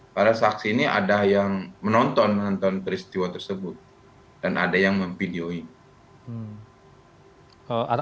pada saksi ini ada yang menonton menonton peristiwa tersebut dan ada yang memvideo in